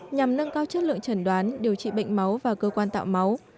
nhằm nâng cao chất lượng trần đoán điều trị bệnh máu và cơ quan tạo máu